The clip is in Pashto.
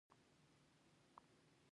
لومړي فرانسیس د هغې د جوړېدو مخالف و.